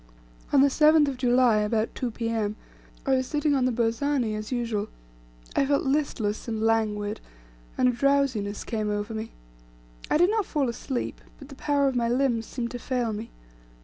On the 7th of July, about 2 P.M., I was sitting on the burzani as usual; I felt listless and languid, and a drowsiness came over me; I did not fall asleep, but the power of my limbs seemed to fail me.